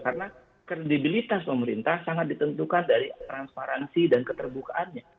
karena kredibilitas pemerintah sangat ditentukan dari transparansi dan keterbukaannya